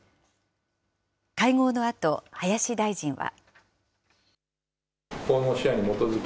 会合のあと、林大臣は。